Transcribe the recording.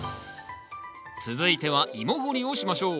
続いてはイモ掘りをしましょう。